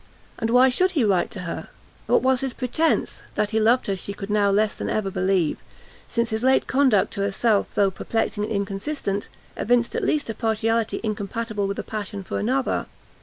And why should he write to her? what was his pretence? That he loved her she could now less than ever believe, since his late conduct to herself, though perplexing and inconsistent, evinced at least a partiality incompatible with a passion for another.